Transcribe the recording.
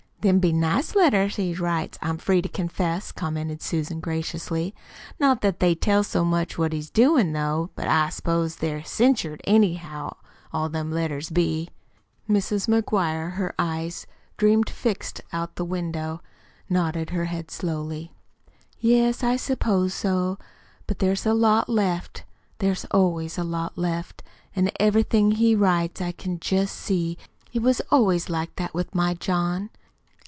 "Them be nice letters he writes, I'm free to confess," commented Susan graciously. "Not that they tell so much what he's doin', though; but I s'pose they're censured, anyhow all them letters be." Mrs. McGuire, her eyes dreamily fixed out the window, nodded her head slowly. "Yes, I s'pose so; but there's a lot left there's always a lot left. And everything he writes I can just see. It was always like that with my John.